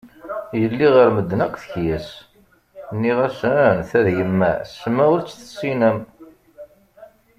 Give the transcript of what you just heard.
Yelli ɣer medden akk tekyes, nniɣ-asen ta d yemma-s ma ur tt-tessinem.